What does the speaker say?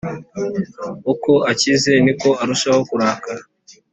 uko akize, ni ko arushaho kurakara.